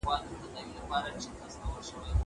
زه کولای سم وخت ونیسم!!